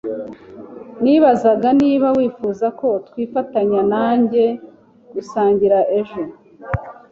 Nibazaga niba wifuza ko twifatanya nanjye gusangira ejo.